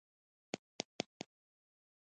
دریشي د پوهې او عزت لباس دی.